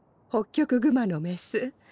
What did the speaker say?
ホッキョクグマのメス。